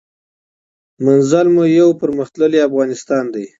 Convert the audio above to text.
منزل مو یو پرمختللی افغانستان دی.